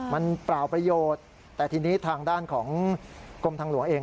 มันเปล่าประโยชน์แต่ทีนี้ทางด้านของกรมทางหลวงเอง